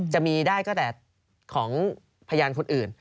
จะมีได้ก็แต่ของพยานคนอื่น